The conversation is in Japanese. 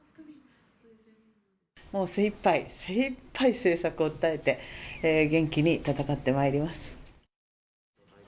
もう精一杯、精一杯政策を訴えて、元気に戦ってまいります。